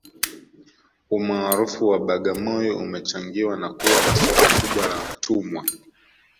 umaarufu wa bagamoyo umechangiwa na kuwa na soko kubwa la watumwa